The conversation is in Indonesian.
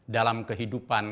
dalam kehidupan kita